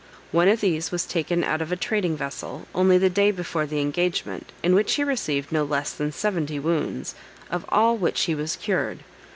One of these was taken out of a trading vessel, only the day before the engagement, in which he received no less than seventy wounds, of all which he was cured.